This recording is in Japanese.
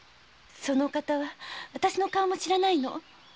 そのお方はわたしの顔も知らないの。